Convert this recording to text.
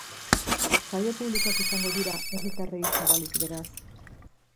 Saio publikoak izango dira, herritarrei zabalik, beraz.